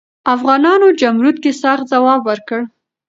افغانانو جمرود کې سخت ځواب ورکړ.